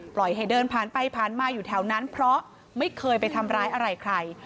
ให้เดินผ่านไปผ่านมาอยู่แถวนั้นเพราะไม่เคยไปทำร้ายอะไรใคร